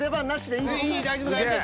いいいい大丈夫大丈夫。